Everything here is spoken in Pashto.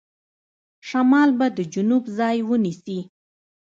شمال به د جنوب ځای ونیسي.